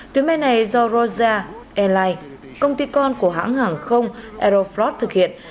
chuyến bay này do rosia airlines công ty con của hãng hàng không aeroflot thực hiện